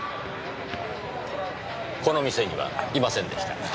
この店にはいませんでした。